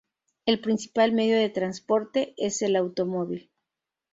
El principal medio de transporte es el automóvil.